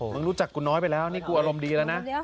มึงรู้จักกูน้อยไปแล้วนี่กูอารมณ์ดีแล้วนะ